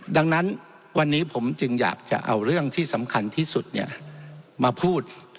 ดังนั้นวันนี้ผมจึงอยากจะเอาเรื่องที่สำคัญที่สุดมาพูด